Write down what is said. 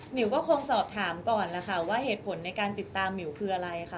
มิวก็คงสอบถามก่อนแล้วค่ะว่าเหตุผลในการติดตามหมิวคืออะไรค่ะ